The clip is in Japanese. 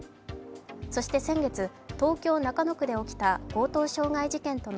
そして先月、東京・中野区で起きた強盗傷害事件との